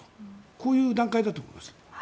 こういう段階だと思います。